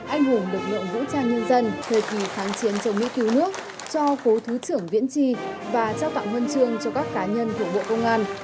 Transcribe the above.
anh hùng lực lượng vũ trang nhân dân thời kỳ kháng chiến chống mỹ cứu nước cho cố thứ trưởng viễn tri và trao tặng hân trương cho các cá nhân của bộ công an